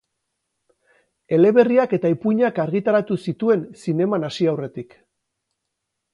Eleberriak eta ipuinak argitaratu zituen zineman hasi aurretik.